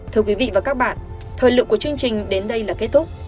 thưa quý vị và các bạn thời lượng của chương trình đến đây là kết thúc